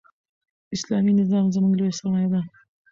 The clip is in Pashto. اسلامي نظام زموږ لویه سرمایه ده.